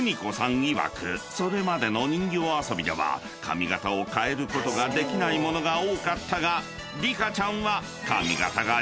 いわくそれまでの人形遊びでは髪型を変えることができないものが多かったがリカちゃんは］